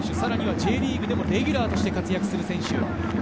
Ｊリーグでもレギュラーとして活躍する選手。